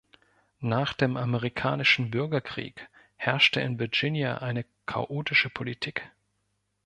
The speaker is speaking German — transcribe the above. Nach dem amerikanischen Bürgerkrieg herrschte in Virginia eine chaotische Politik.